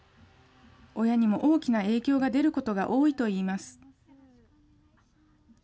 親にも大きな影響が出ることが多いといいます。